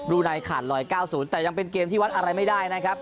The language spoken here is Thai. ในขาดลอย๙๐แต่ยังเป็นเกมที่วัดอะไรไม่ได้นะครับ